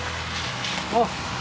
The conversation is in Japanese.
あっ。